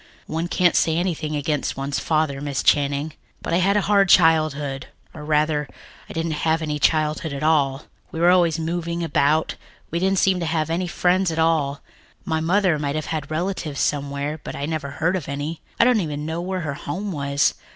One can't say anything against one's father, Miss Channing. But I had a hard childhood or rather, I didn't have any childhood at all. We were always moving about. We didn't seem to have any friends at all. My mother might have had relatives somewhere, but I never heard of any. I don't even know where her home was.